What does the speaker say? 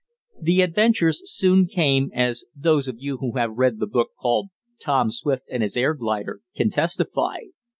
The adventures soon came, as those of you who have read the book called, "Tom Swift and His Air Glider," can testify.